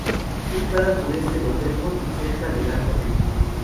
Está ubicada a al sureste de Belfort y cerca del Alto Rin.